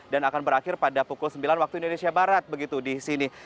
dan akan berakhir pada pukul sembilan waktu indonesia barat begitu di sini